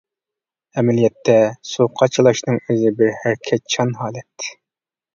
ئەمەلىيەتتە، سۇ قاچىلاشنىڭ ئۆزى بىر ھەرىكەتچان ھالەت.